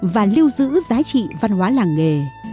và lưu giữ giá trị văn hóa làng nghề